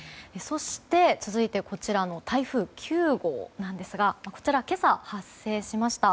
続いて台風９号なんですがこちら、今朝発生しました。